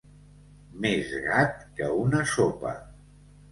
Més gat que una sopa.